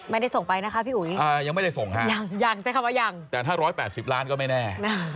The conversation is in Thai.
ไม่ได้ส่งไปนะฮะพี่อุ๋ยังไม่ได้ส่งฮะแต่ถ้า๑๘๐ล้านก็ไม่แน่